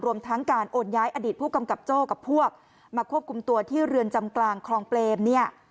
รวมทั้งการโอนย้ายอดีตผู้กำกับโจ้กับพวกมาควบคุมตัวที่เรือนจำกลางคลองเปรมเนี่ย